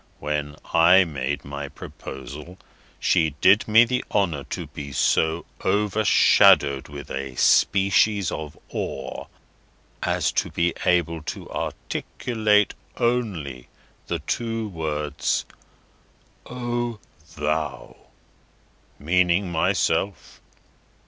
When I made my proposal, she did me the honour to be so overshadowed with a species of Awe, as to be able to articulate only the two words, 'O Thou!' meaning myself.